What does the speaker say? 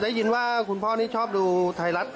ได้ยินว่าคุณพ่อนี่ชอบดูไทยรัฐ